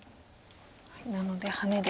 なのでハネで。